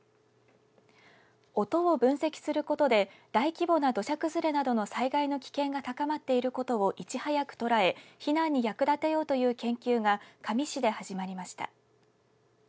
音を分析することで大規模な土砂崩れなどの災害の危険が高まっていることをいち早く捉え避難に役立てようという研究が高知県香美市で始まりました。